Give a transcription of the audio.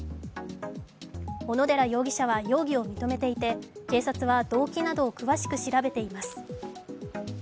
小野寺容疑者は容疑を認めていて警察は動機などを詳しく調べています。